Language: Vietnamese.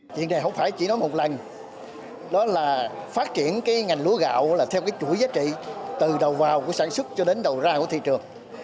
chuyện này không phải chỉ nói một lần đó là phát triển cái ngành lúa gạo là theo cái chuỗi giá trị từ đầu vào của sản xuất cho đến đầu ra của thị trường